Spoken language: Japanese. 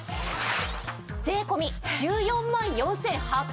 税込１４万４８００円です。